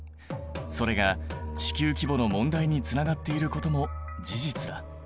それが地球規模の問題につながっていることも事実だ。